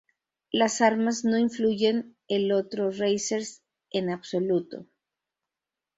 Las armas no influyen el otro racers en absoluto.